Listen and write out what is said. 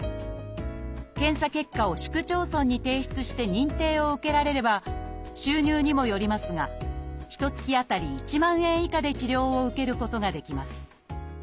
検査結果を市区町村に提出して認定を受けられれば収入にもよりますがひとつきあたり１万円以下で治療を受けることができます。